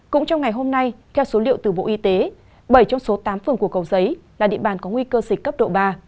cũng trong ngày hôm nay theo số liệu từ bộ y tế bảy trong số tám phường của cầu giấy là địa bàn có nguy cơ dịch cấp độ ba